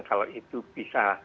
kalau itu bisa